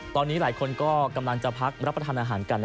ตอนนี้หลายคนก็กำลังจะพักรับประทานอาหารกัน